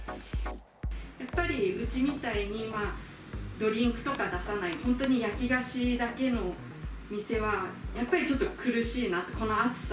やっぱりうちみたいに、ドリンクとか出さない、本当に焼き菓子だけの店は、やっぱりちょっと苦しいな、この暑さ。